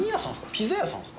ピザ屋さん